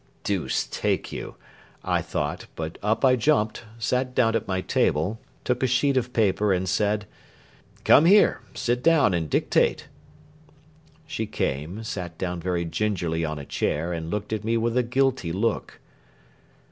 "Deuce take you!" I thought; but up I jumped, sat down at my table, took a sheet of paper, and said: "Come here, sit down, and dictate!" She came, sat down very gingerly on a chair, and looked at me with a guilty look.